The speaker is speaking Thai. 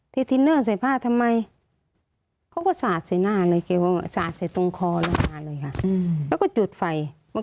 เททินเนอร์ใส่ผ้าทำไม